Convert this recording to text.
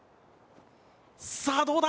さあどうだ？